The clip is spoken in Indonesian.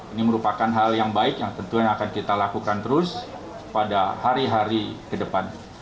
ini merupakan hal yang baik yang tentunya akan kita lakukan terus pada hari hari ke depan